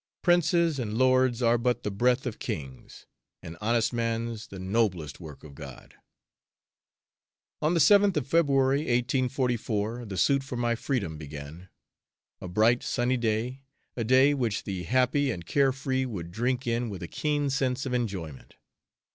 Princes and lords are but the breath of kings, 'An honest man's the noblest work of God.'" On the 7th of February, 1844, the suit for my freedom began. A bright, sunny day, a day which the happy and care free would drink in with a keen sense of enjoyment.